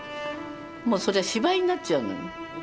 もうそれは芝居になっちゃうのよ。